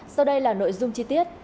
sau đây là nội dung chi tiết